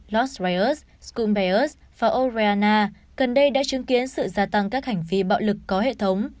los reyes cumbres và orellana gần đây đã chứng kiến sự gia tăng các hành vi bạo lực có hệ thống